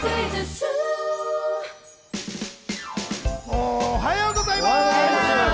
おはようございます！